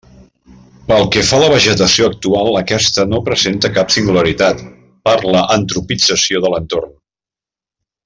Pel que fa a la vegetació actual, aquesta no presenta cap singularitat, per l'antropització de l'entorn.